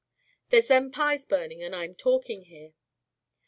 There's them pies burning, and I'm talking here!"